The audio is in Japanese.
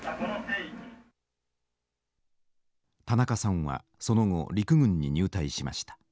田中さんはその後陸軍に入隊しました。